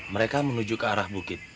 mereka menuju ke arah bukit